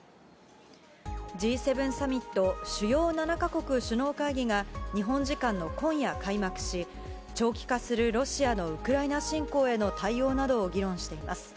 Ｇ７サミット・主要７か国首脳会議が、日本時間の今夜開幕し、長期化するロシアのウクライナ侵攻への対応などを議論しています。